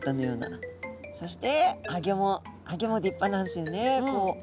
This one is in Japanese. そしてアギョもアギョも立派なんですよね。